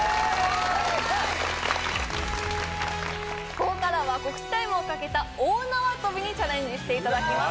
ここからは告知タイムをかけた大縄跳びにチャレンジしていただきます